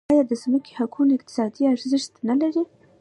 آیا د ځمکې حقوق اقتصادي ارزښت نلري؟